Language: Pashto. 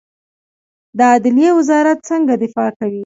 د عدلیې وزارت څنګه دفاع کوي؟